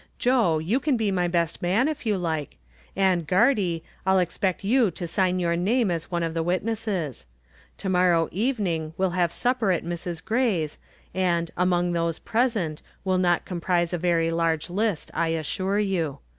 Joe, you can be my best man if you like, and, Gardie, I'll expect you to sign your name as one of the witnesses. To morrow evening we'll have supper at Mrs. Gray's and 'among those present' will not comprise a very large list, I assure you.